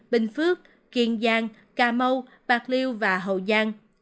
bình phước kiên giang cà mau bạc liêu và hậu giang